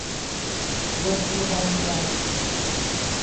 โรงพยาบาลตรัง